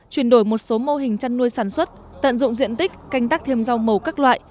chuyển đổi một số mô hình chăn nuôi sản xuất tận dụng diện tích canh tác thêm rau màu các loại